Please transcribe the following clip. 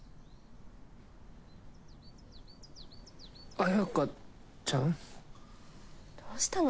彩花ちゃん？どうしたの？